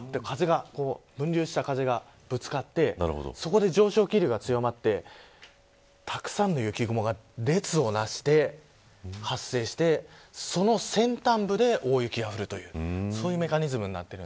分流した風がぶつかってそこで上昇気流が強まってたくさんの雪雲が列をなして発生して、その先端部で大雪が降るというそういうメカニズムです。